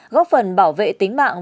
góp phần bảo vệ tính mạng